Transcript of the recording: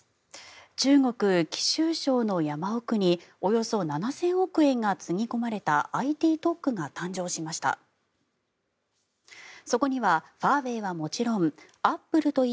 中国・貴州省の山奥におよそ７０００億円がつぎ込まれたＩＴ特区がこれですかね。